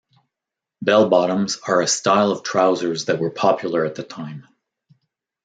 Bell-bottoms are a style of trousers that were popular at the time.